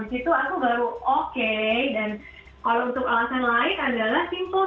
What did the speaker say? disitu aku baru oh kenapa lagu lagu beliau dibiola itu sangat enak ternyata yang pencerita lagunya sendiri adalah pemain biola